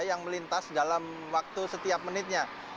yang melintas dalam waktu setiap menitnya